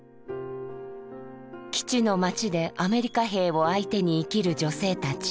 基地の町でアメリカ兵を相手に生きる女性たち。